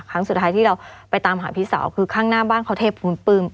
ครั้งสุดท้ายที่เราไปตามหาพี่สาวคือข้างหน้าบ้านเขาเทพคุณปื้ม